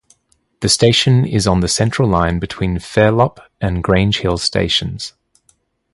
The station is on the Central line between Fairlop and Grange Hill stations.